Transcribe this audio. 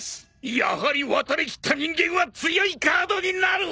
やはり渡りきった人間は強いカードになる！